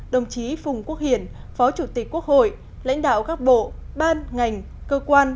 đồng chí phùng quốc hiển phó chủ tịch quốc hội lãnh đạo các bộ ban ngành cơ quan